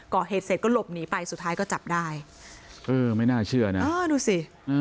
ก่อเหตุเสร็จก็หลบหนีไปสุดท้ายก็จับได้เออไม่น่าเชื่อนะเออดูสิ